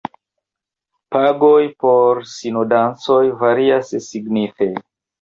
Pagoj por sinodancoj varias signife.